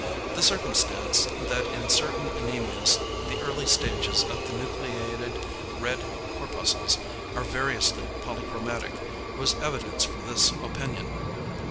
The circumstance, that in certain anæmias the early stages of the nucleated red corpuscles are variously polychromatic, was evidence for this opinion.